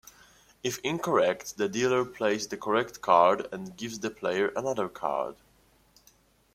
If incorrect the dealer plays the correct card and gives the player another card.